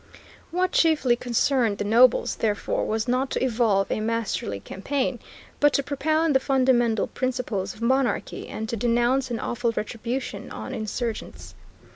What chiefly concerned the nobles, therefore, was not to evolve a masterly campaign, but to propound the fundamental principles of monarchy, and to denounce an awful retribution on insurgents.